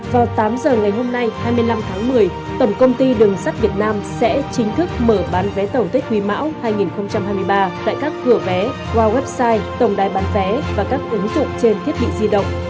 vào tám giờ ngày hôm nay hai mươi năm tháng một mươi tổng công ty đường sắt việt nam sẽ chính thức mở bán vé tàu tết quý mão hai nghìn hai mươi ba tại các cửa vé qua website tổng đài bán vé và các ứng dụng trên thiết bị di động